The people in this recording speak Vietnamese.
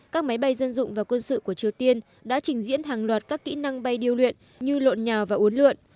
các máy bay dân dụng và quân sự của triều tiên đã trình diễn hàng loạt các kỹ năng bay điêu luyện như lộn nhào và uốn lượn